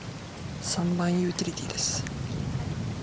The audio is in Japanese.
３番ユーティリティーです。